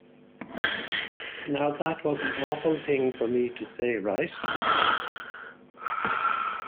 Now that was an awful thing for me to say right?